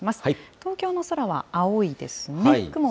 東京の空は青いですね。